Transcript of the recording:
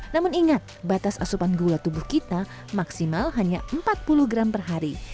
namun ingat batas asupan gula tubuh kita maksimal hanya empat puluh gram per hari